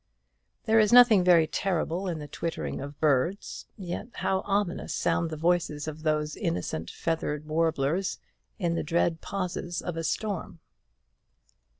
There is nothing very terrible in the twittering of birds; yet how ominous sound the voices of those innocent feathered warblers in the dread pauses of a storm!